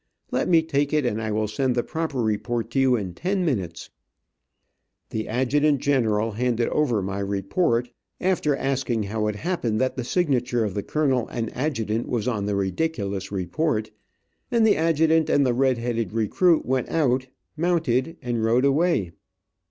Let me take it, and I will send the proper report to you in ten minutes." The adjutant general handed over my report, after asking how it happened that the signature of the colonel and adjutant was on the ridiculous report, and the adjutant and the red headed recruit went out, mounted and rode away.